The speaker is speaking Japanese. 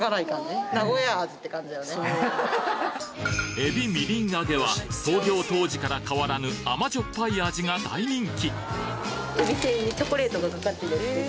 えびみりん揚げは創業当時から変わらぬ甘じょっぱい味が大人気！